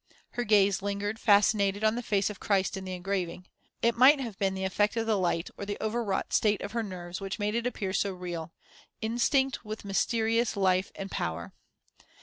Her gaze lingered fascinated on the face of Christ in the engraving. It might have been the effect of the light, or the over wrought state of her nerves which made it appear so real, instinct with mysterious life and power.